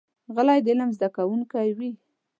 غلی، د علم زده کوونکی وي.